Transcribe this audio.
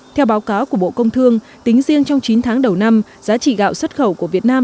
theo báo cáo của bộ công thương tính riêng trong chín tháng đầu năm giá trị gạo xuất khẩu của việt nam